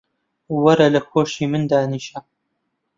وەرە لە کۆشی من دانیشە.